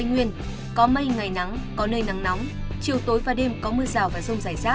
quần đảo hoàng sa